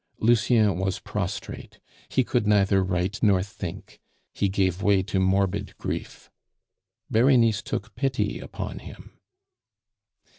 Lucien was prostrate; he could neither write nor think; he gave way to morbid grief. Berenice took pity upon him.